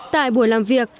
tại buổi làm việc